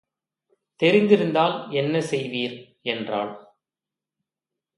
தெரிந்திருந்தால் என்ன செய்வீர், என்றாள்.